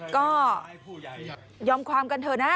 ก็ยอมความกันเถอะนะ